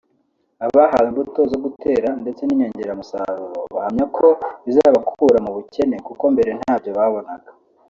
Abahawe imbuto zo gutera ndetse n’inyongeramusaruro bahamya ko bizabakura mu bukene kuko mbere ntabyo babonaga